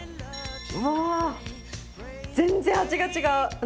うわー、全然味が違う。